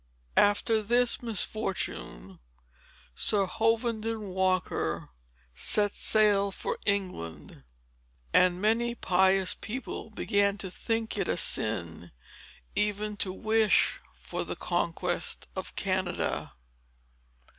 After this misfortune, Sir Hovenden Walker set sail for England; and many pious people began to think it a sin, even to wish for the conquest of Canada."